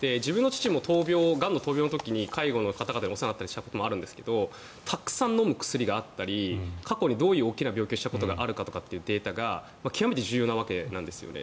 自分の父も、がんの闘病の時に介護の方々にお世話になったこともあるんですがたくさん飲む薬があったり過去にどういう大きな病気をしたことがあるかというデータが極めて重要なわけなんですよね。